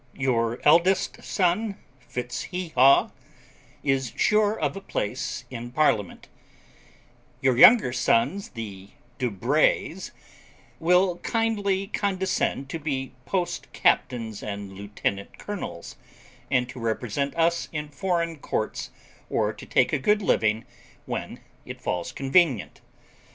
Your eldest son, Fitz Heehaw, is sure of a place in Parliament; your younger sons, the De Brays, will kindly condescend to be post captains and lieutenants colonels, and to represent us in foreign courts or to take a good living when it falls convenient.